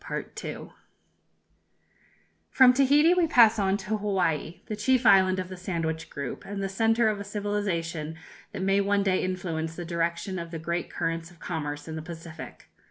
From Tahiti we pass on to Hawaii, the chief island of the Sandwich group, and the centre of a civilization that may one day influence the direction of the great currents of commerce in the Pacific.